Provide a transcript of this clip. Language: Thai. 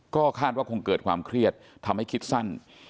ก็คาดว่าคงเกิดความเครียดทำให้คิดสั้น